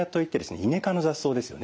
イネ科の雑草ですよね